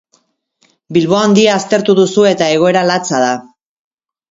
Bilbo Handia aztertu duzu eta egoera latza da.